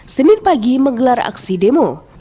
senin pagi menggelar aksi demo